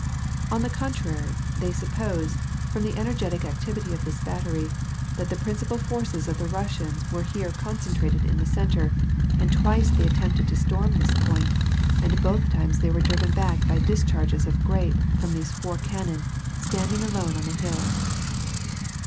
On the contrary, they supposed, from the energetic activity of this battery, that the princii>al forces of the Russians were here concentrated in the centre, and twice they attempted to storm this point, and both times thej'^ were driven back by discharges of grape from these four cannon, standing alone on the hill.